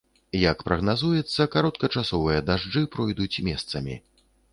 Як прагназуецца, кароткачасовыя дажджы пройдуць месцамі.